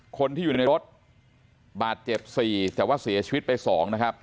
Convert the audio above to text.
คนที่อยู่ในรถบาดเจ็บ๔แต่ว่าเสียชีวิตไป๒นะครับ